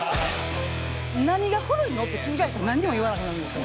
「何が古いの？」って聞き返したら何も言わなくなるんですよ。